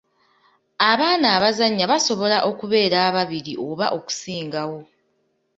Abaana abazannya basobola okubeera ababiri oba okusingawo.